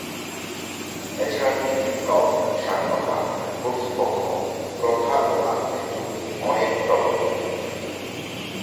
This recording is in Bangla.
এছাড়া তিনি বিপ্লব, স্বাধীনতা, কর্তৃপক্ষ, প্রথা ও আধুনিক যুগ নিয়ে অনেক প্রবন্ধ লিখেছেন।